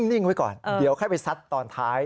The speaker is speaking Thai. นิ่งไว้ก่อนเดี๋ยวค่อยไปซัดตอนท้าย